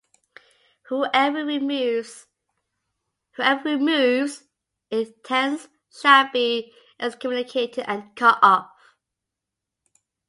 Whoever removes it thence shall be excommunicated and cut off.